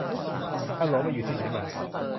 ฮัลโหล ไปอยู่ที่ไหนมา